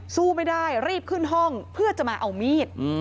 สู้ไม่ได้รีบขึ้นห้องเพื่อจะมาเอามีด